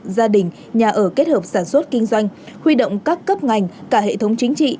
gia đình nhà ở kết hợp sản xuất kinh doanh huy động các cấp ngành cả hệ thống chính trị